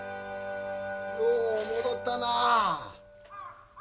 よう戻ったなあ！